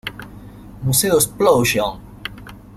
Museo Explosion!